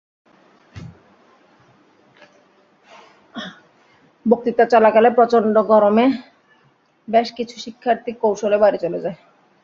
বক্তৃতা চলাকালে প্রচণ্ড গরমে বেশ কিছু শিক্ষার্থী কৌশলে বাড়ি চলে যায়।